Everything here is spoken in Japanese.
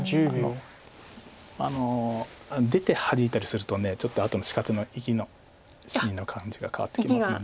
あの出てハジいたりするとちょっとあとの死活の生き死にの感じが変わってきますので。